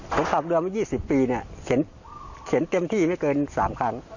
ผมขับเรือมายี่สิบปีเนี่ยเขียนเขียนเต็มที่ไม่เกินสามครั้ง